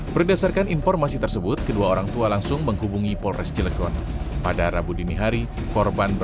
berdasarkan informasi tersebut kedua orang tua langsung menghubungi polres cilekon